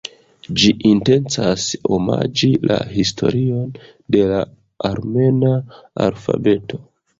Ĝi intencas omaĝi la historion de la armena alfabeto.